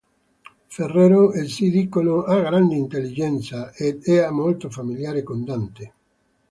Ferrero, essi dicono, ha "grande intelligenza" ed e "molto familiare con Dante".